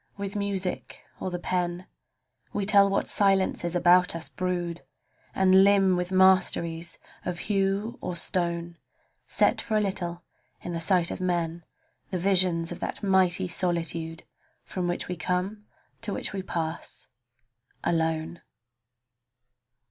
With music or the pen We tell what silences about us brood, And limn with masteries of hue or stone, Set for a little in the sight of men, The visions of that mighty solitude From which we come, to which we pass, alone!